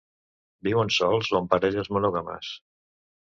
Viuen sols o en parelles monògames.